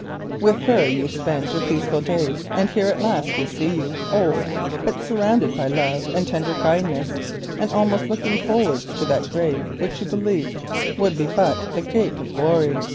With her you spend your peaceful days, and here at last we see you old but surrounded by love and tender kindness, and almost looking forward to that grave which you believed would be but the gate of glory.